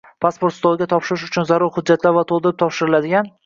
Pasport stoliga topshirish uchun zarur hujjatlar va to‘ldirib topshiriladigan